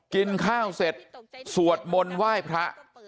กินข้าวเสร็จสวดมนต์ไหว้พระ